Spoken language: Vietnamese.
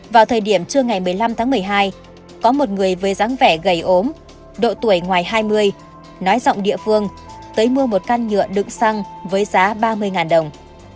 vào thời điểm trưa ngày một mươi năm tháng một mươi hai có một người với dáng vẻ gầy ốm độ tuổi ngoài hai mươi nói rộng địa phương tới mua một can nhựa đựng xăng với giá ba mươi đồng